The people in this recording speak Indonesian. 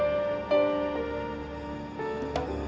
aku mau kita sekedar balik